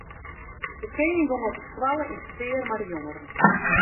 De kening gong op de skoalle yn petear mei de jongeren.